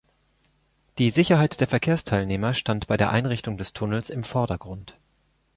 Die Sicherheit der Verkehrsteilnehmer stand bei der Einrichtung des Tunnels im Vordergrund.